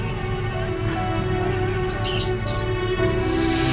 pengen memaces oh oh